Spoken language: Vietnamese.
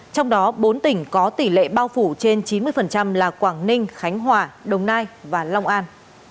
trong đó bốn tỉnh có tỷ lệ bao phủ trên chín mươi là quảng ninh khánh hòa đồng nai và long an